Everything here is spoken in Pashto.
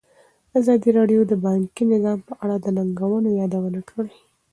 ازادي راډیو د بانکي نظام په اړه د ننګونو یادونه کړې.